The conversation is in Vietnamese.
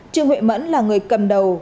trương huệ mẫn là người cầm đầu